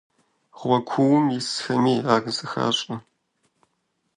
Гъуэ куум исхэми ар зыхащӀэ.